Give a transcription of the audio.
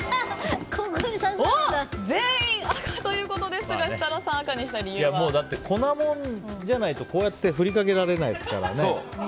全員、赤ということですが設楽さん、赤にした理由は？だって、粉もんじゃないとこうやって振りかけられないですから。